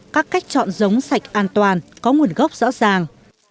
các cách chọn giống sạch an toàn có nguồn gốc rõ ràng